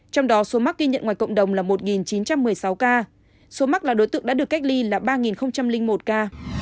trong đó số mắc ghi nhận ngoài cộng đồng là một chín trăm một mươi sáu ca số mắc là đối tượng đã được cách ly là ba một ca